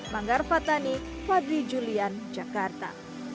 manggar fathani wadwi julian jakarta